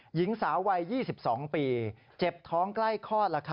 หญิงสาววัย๒๒ปีเจ็บท้องใกล้คลอด